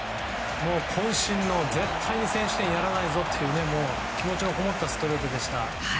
渾身の絶対に先取点をやらないぞという、気持ちのこもったストレートでした。